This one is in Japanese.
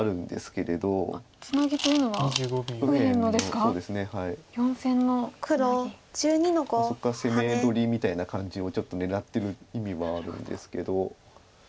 そこから攻め取りみたいな感じをちょっと狙ってる意味もあるんですけど。